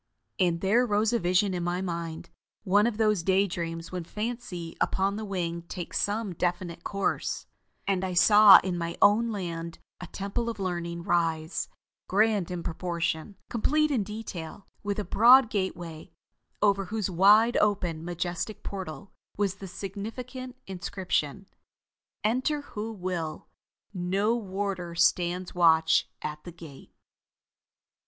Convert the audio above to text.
And there rose a vision in my mind one of those day dreams when fancy upon the wing takes some definite course and I saw in my own land a Temple of Learning rise, grand in proportion, complete in detail, with a broad gateway, over whose wide open majestic portal was the significant inscription: "ENTER WHO WILL: NO WARDER STANDS WATCH AT THE GATE."